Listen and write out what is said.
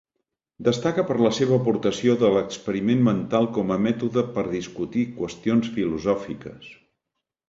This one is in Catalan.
Destaca per la seva aportació de l'experiment mental com a mètode per discutir qüestions filosòfiques.